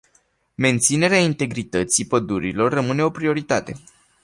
Menținerea integrității pădurilor rămâne o prioritate.